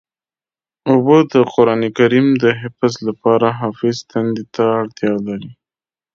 اوبه د قرآن کریم د حفظ لپاره حافظ تندې ته اړتیا لري.